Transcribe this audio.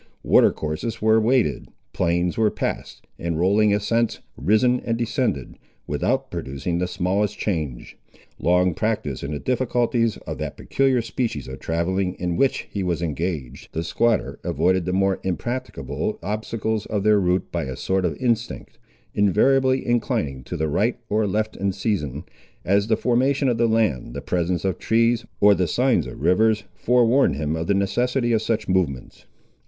Water courses were waded, plains were passed, and rolling ascents risen and descended, without producing the smallest change. Long practised in the difficulties of that peculiar species of travelling in which he was engaged, the squatter avoided the more impracticable obstacles of their route by a sort of instinct, invariably inclining to the right or left in season, as the formation of the land, the presence of trees, or the signs of rivers forewarned him of the necessity of such movements.